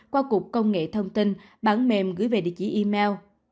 qua cục công nghệ thông tin bản mềm gửi về địa chỉ email